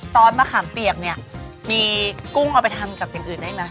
ซอสมะขามเปียกเนี่ยมีกุ้งเอาไปชอบแบบอื่นได้มั้ย